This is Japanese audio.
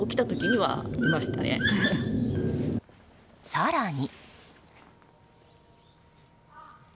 更に。